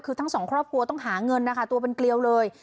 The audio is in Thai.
คือทั้งสองครอบครัวต้องหาเงินนะคะตัวเป็นเกลียวเลย